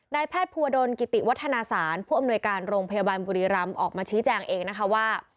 แพทย์ภัวดลกิติวัฒนาศาลผู้อำนวยการโรงพยาบาลบุรีรำออกมาชี้แจงเองนะคะว่า